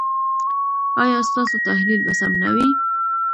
ایا ستاسو تحلیل به سم نه وي؟